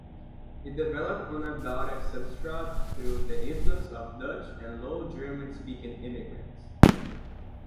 It developed on a Baltic substrate through the influx of Dutch- and Low-German-speaking immigrants.